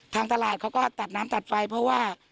ทางตลาดเขาก็ตัดน้ำตัดไฟเพราะว่า